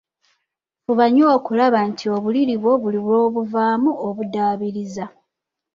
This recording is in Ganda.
Fuba nnyo okulaba nti obuliri bwo buli lwobuvaamu obuddaabiriza.